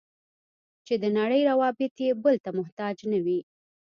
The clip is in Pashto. چې د نړۍ روابط یې بل ته محتاج نه وي.